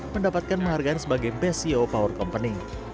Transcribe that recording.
mendapatkan mahargaan sebagai best ceo power company